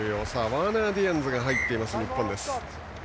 ワーナー・ディアンズが入っています、日本。